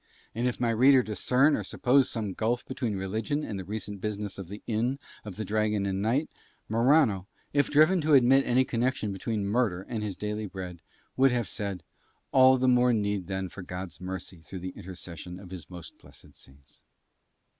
And if my reader discern or suppose some gulf between religion and the recent business of the Inn of the Dragon and Knight, Morano, if driven to admit any connection between murder and his daily bread, would have said, "All the more need then for God's mercy through the intercession of His most blessed Saints."